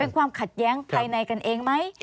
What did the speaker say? เป็นความขัดแย้งภายในกันเองไหม